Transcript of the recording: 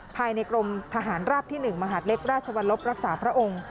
ภายในกรมทหารราบที่๑มหาดเล็กราชวรรลบรักษาพระองค์